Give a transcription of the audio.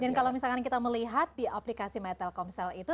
dan kalau misalkan kita melihat di aplikasi my telkomsel itu